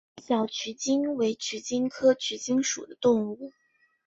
小鼩鼱为鼩鼱科鼩鼱属的动物。